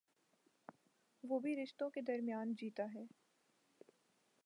وہ بھی رشتوں کے درمیان جیتا ہے۔